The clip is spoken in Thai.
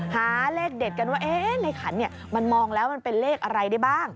หาเลขเด็ดกันว่าในขันมันมองแล้วมันเป็นเลขอะไรได้บ้าง